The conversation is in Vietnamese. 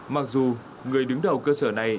mặc dù người đứng đầu cơ sở này